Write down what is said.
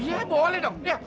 iya boleh dong